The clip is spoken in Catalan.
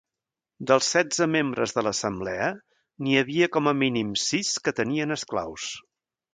Dels setze membres de l'Assemblea, n'hi havia com a mínim sis que tenien esclaus.